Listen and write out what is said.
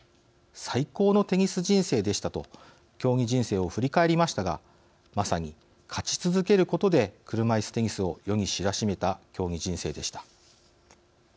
最高のテニス人生でした」と競技人生を振り返りましたがまさに勝ち続けることで車いすテニスを世に知らしめた競技人生でした。